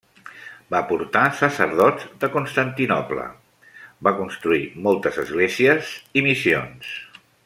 Va portar sacerdots de Constantinoble, va construir moltes esglésies i missions.